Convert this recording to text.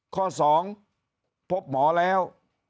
ข้อ๒พบหมอแล้ว